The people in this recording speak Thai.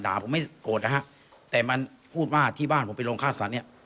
ผมไม่โกรธนะฮะแต่มันพูดว่าที่บ้านผมเป็นโรงฆ่าสัตว์เนี่ย